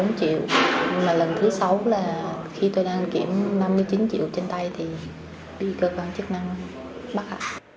nhưng mà lần thứ sáu là khi tôi đang kiểm năm mươi chín triệu trên tay thì bị cơ quan chức năng bắt ạ